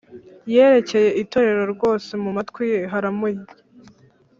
yerekeye itorero ryose, mumatwi ye haramurya